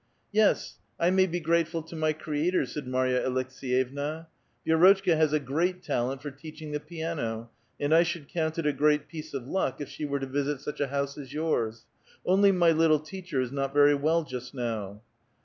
" Yes, I may be grateful to my Creator," said Marya Aleks^yevna ; ''Vi^rotchka has a great talent for teaching the piano, and I should count it a great piece of luck if she were to visit such a house as jours. Only my little teacher is not very well just now."